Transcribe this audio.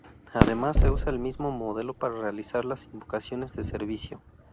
Además se usa el mismo modelo para realizar las invocaciones de servicio.